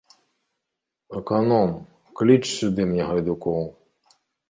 Аканом, кліч сюды мне гайдукоў!